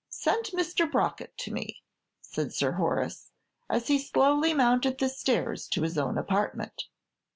"Send Mr. Brockett to me," said Sir Horace, as he slowly mounted the stairs to his own apartment.